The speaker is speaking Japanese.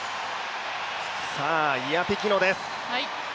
さあ、イアピキノです。